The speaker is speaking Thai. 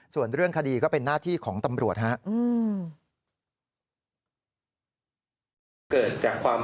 ส่วนเรื่องคดีก็เป็นหน้าที่ของตำรวจครับ